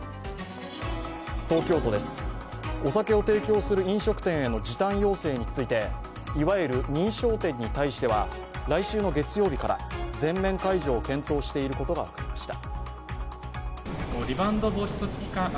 東京都です、お酒を提供する飲食店への時短要請についていわゆる認証店に対しては来週の月曜日から全面解除を検討していることが分かりました。